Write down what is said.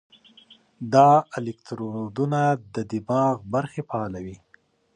دا الکترودونه د دماغ برخې فعالوي.